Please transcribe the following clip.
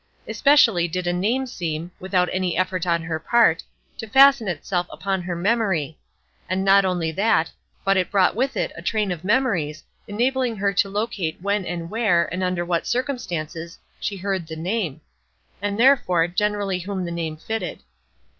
Especially did a name seem, without any effort on her part, to fasten itself upon her memory; and not only that, but it brought with it a train of memories enabling her to locate when and where, and under what circumstances, she heard the name; and, therefore, generally whom the name fitted.